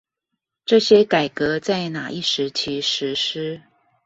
這些改革在那一時期實施